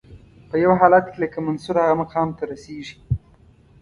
په یو حالت کې لکه منصور هغه مقام ته رسیږي.